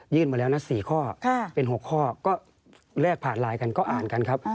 มาแล้วนะ๔ข้อเป็น๖ข้อก็แลกผ่านไลน์กันก็อ่านกันครับ